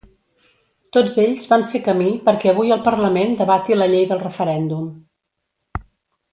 Tots ells van fer camí perquè avui el parlament debati la llei del referèndum.